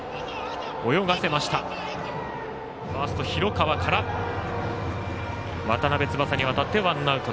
ファースト、広川から渡邉翼に渡ってワンアウト。